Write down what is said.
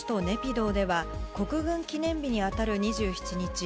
ネピドーでは国軍記念日に当たる２７日